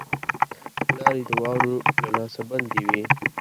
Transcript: لاري د واورو له لاسه بندي وې.